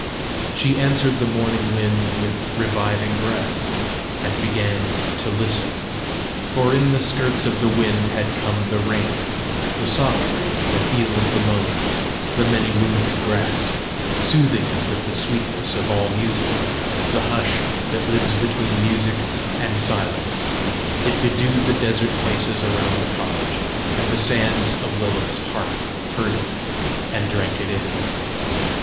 She answered the morning wind with reviving breath, and began to listen. For in the skirts of the wind had come the rain the soft rain that heals the mown, the many wounded grass soothing it with the sweetness of all music, the hush that lives between music and silence. It bedewed the desert places around the cottage, and the sands of Lilith's heart heard it, and drank it in.